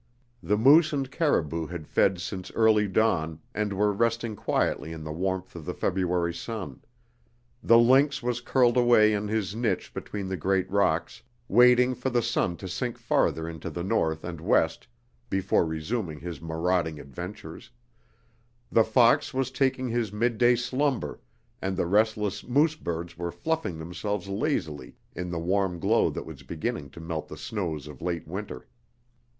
The moose and caribou had fed since early dawn, and were resting quietly in the warmth of the February sun; the lynx was curled away in his niche between the great rocks, waiting for the sun to sink farther into the north and west before resuming his marauding adventures; the fox was taking his midday slumber and the restless moose birds were fluffing themselves lazily in the warm glow that was beginning to melt the snows of late winter.